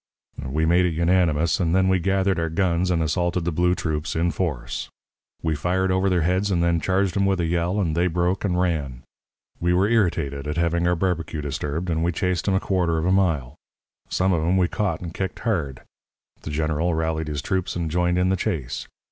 "We made it unanimous, and then we gathered our guns and assaulted the blue troops in force. We fired over their heads, and then charged 'em with a yell, and they broke and ran. We were irritated at having our barbecue disturbed, and we chased 'em a quarter of a mile. Some of 'em we caught and kicked hard. The General rallied his troops and joined in the chase.